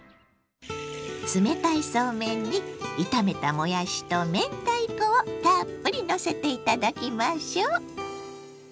冷たいそうめんに炒めたもやしと明太子をたっぷりのせて頂きましょう！